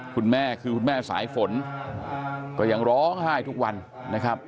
คุณแม่คือคุณแม่สายฝนก็ยังร้องไห้ทุกวันนะครับ